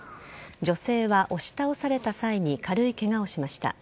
女性は押し倒された際に軽いケガをしました。